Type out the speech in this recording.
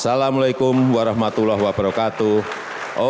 assalamu'alaikum warahmatullahi wabarakatuh